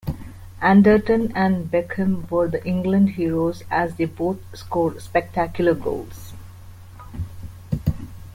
Anderton and Beckham were the England heroes as they both scored spectacular goals.